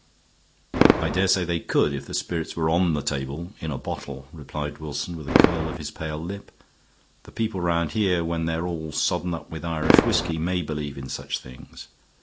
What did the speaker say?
"I dare say they could if the spirits were on the table in a bottle," replied Wilson, with a curl of his pale lip. "The people round here, when they're all sodden up with Irish whisky, may believe in such things.